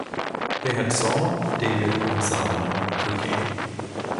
They had Saul, David and Salomon for king.